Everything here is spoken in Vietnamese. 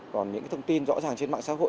còn những thông tin rõ ràng trên mạng xã hội